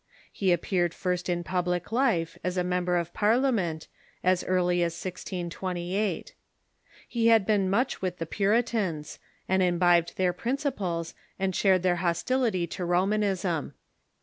He appeared first in public life as a member of Parliament, as early as 1628. He had been much with the Puritans, and imbibed their principles, and shared their hostility to Romanism.